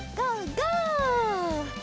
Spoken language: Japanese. ゴー！